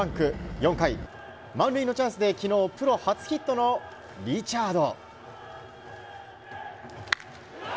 ４回、満塁のチャンスで昨日プロ初ヒットのリチャード。